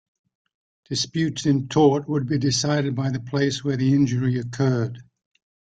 Disputes in tort would be decided by the place where the injury occurred.